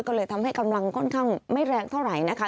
ก็เลยทำให้กำลังค่อนข้างไม่แรงเท่าไหร่นะคะ